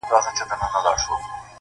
مطربه چي رباب درسره وینم نڅا راسي،